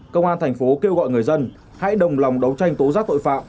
công an thành phố kêu gọi người dân hãy đồng lòng đấu tranh tố giác tội phạm